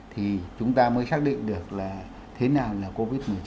thì chúng ta mới xác định được là thế nào là covid một mươi chín